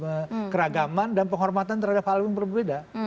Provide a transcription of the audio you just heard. karena itu juga menyebabkan keberagaman dan penghormatan terhadap hal yang berbeda